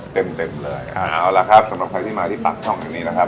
เต็มเต็มเลยอ่าเอาล่ะครับสำหรับใครที่มาที่ปากช่องแห่งนี้นะครับ